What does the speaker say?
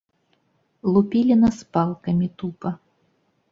Лупілі нас палкамі тупа.